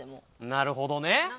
なるほどね！